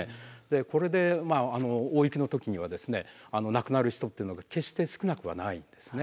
これでまあ大雪の時には亡くなる人っていうのが決して少なくはないんですね。